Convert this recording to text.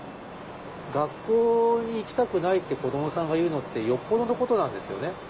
学校に行きたくないって子どもさんが言うのってよっぽどのことなんですよね。